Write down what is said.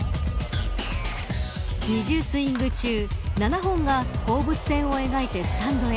２０スイング中７本が放物線を描いてスタンドへ。